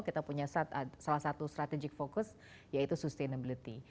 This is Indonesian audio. kita punya salah satu strategic fokus yaitu sustainability